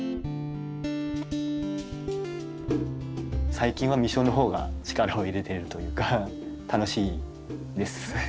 最近は実生のほうが力を入れているというか楽しいです。